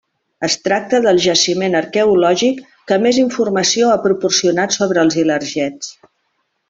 Es tracta del jaciment arqueològic que més informació ha proporcionat sobre els ilergets.